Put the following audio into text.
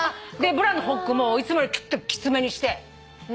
ブラのホックもいつもよりキッときつめにして。